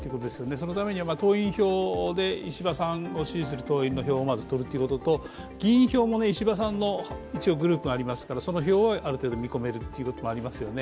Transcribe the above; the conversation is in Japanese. そのためには党員票で、石破さんを支持する人の票を取るということと議員票も石破さんのグループがありますからその票はある程度見込めるということはありますよね。